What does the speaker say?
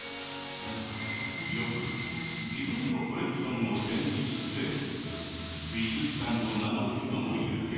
よく自分のコレクションを展示して美術館と名乗る人もいるけど。